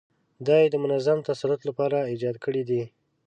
دا یې د منظم تسلط لپاره ایجاد کړي دي.